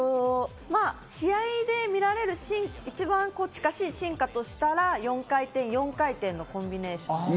まぁ、試合で見られる一番近しい進化としたら、４回転、４回転のコンビネーション。